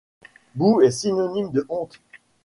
Boue est synonyme de honte.